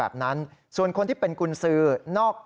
เพราะว่ามีทีมนี้ก็ตีความกันไปเยอะเลยนะครับ